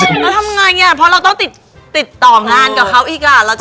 แล้วทำไงเนี่ยพอต้องติดต่อมกับเขาอีก